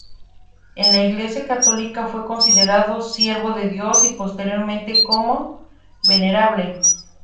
En la Iglesia católica fue considerado Siervo de Dios y posteriormente como Venerable.